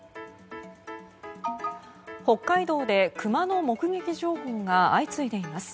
北海道でクマの目撃情報が相次いでいます。